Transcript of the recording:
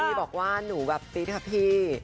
พี่บอกว่าหนูแบบปี๊ดครับพี่